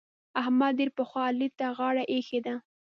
احمد ډېر پخوا علي ته غاړه اېښې ده.